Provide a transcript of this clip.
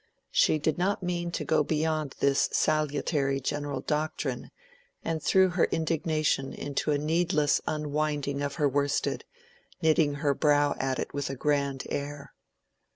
She did not mean to go beyond this salutary general doctrine, and threw her indignation into a needless unwinding of her worsted, knitting her brow at it with a grand air.